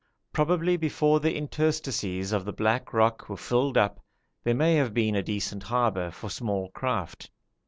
Probably before the interstices of the black rock were filled up there may have been a decent harbour for small craft.